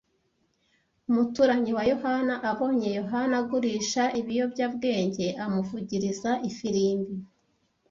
Umuturanyi wa Yohana abonye Yohana agurisha ibiyobyabwenge, amuvugiriza ifirimbi.